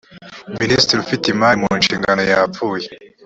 minisitiri ufite imari mu nshingano yapfuye